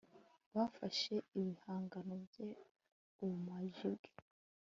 bafashe ibihangano bye, ubumaji bwe